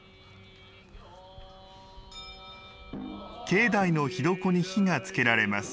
境内の火床に火がつけられます。